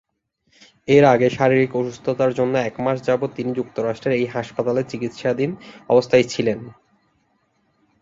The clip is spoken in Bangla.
এর আগে শারীরিক অসুস্থতার জন্যে একমাস যাবৎ তিনি যুক্তরাষ্ট্রের এই হাসপাতালে চিকিৎসাধীন অবস্থায় ছিলেন।